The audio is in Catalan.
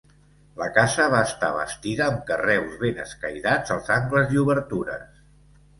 La casa va estar bastida amb carreus ben escairats als angles i obertures.